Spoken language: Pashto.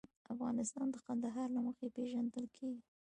افغانستان د کندهار له مخې پېژندل کېږي.